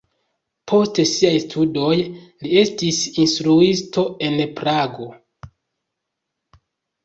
Post siaj studoj li estis instruisto en Prago.